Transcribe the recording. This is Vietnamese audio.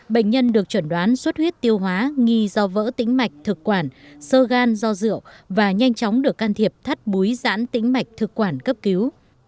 bệnh nhân được chuẩn đoán suất huyết tiêu hóa nghi do vỡ tính mạch thực quản sơ gan do rượu và nhanh chóng được can thiệp thắt búi giãn tính mạch thực quản cấp cứu